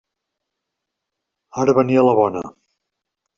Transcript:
Ara venia la bona!